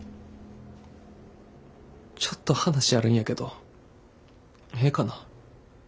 ちょっと話あるんやけどええかな？